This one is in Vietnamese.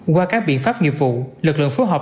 qua các biện pháp nghiệp vụ lực lượng phối hợp